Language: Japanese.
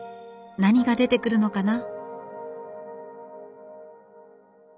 何が出てくるのかな？